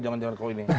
jangan jangan kalau ini